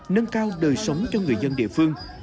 nâng cao đời sống cho người dân địa phương